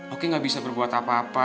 oke gak bisa berbuat apa apa